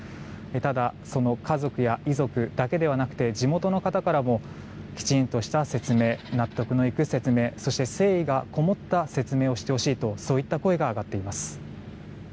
ただ、その家族や遺族だけではなくて地元の方からもきちんとした説明納得のいく説明そして誠意がこもった説明をしてほしいとそういった声が上がっています。